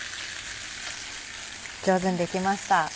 上手にできました。